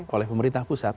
oleh pemerintah pusat